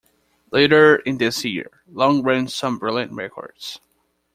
Later in this year, Long ran some brilliant records.